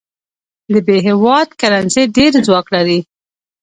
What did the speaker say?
د ب هیواد کرنسي ډېر ځواک لري.